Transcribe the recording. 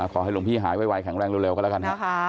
ขอให้หลวงพี่หายไวแข็งแรงเร็วก็แล้วกันฮะ